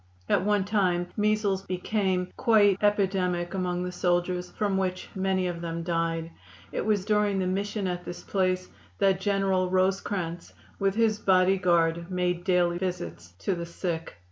At one time measles became quite epidemic among the soldiers, from which many of them died. It was during the mission at this place that General Rosecrans, with his body guard, made daily visits to the sick.